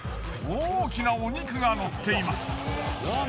大きなお肉がのっています。